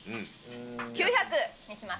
９００にします。